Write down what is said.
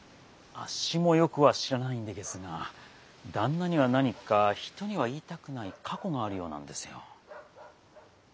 あっしもよくは知らないんでげすが旦那には何か人には言いたくない過去があるようなんですよ。